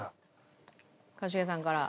一茂さんから。